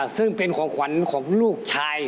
ซึ่งเป็นของขวัญของลูกชาย